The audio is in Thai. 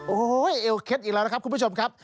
โอ้โหเอวเคล็ดอีกแล้วนะครับคุณผู้ชมครับ